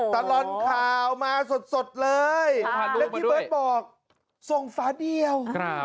ตลอดข่าวมาสดเลยแล้วพี่เบิร์ตบอกส่งฝาเดียว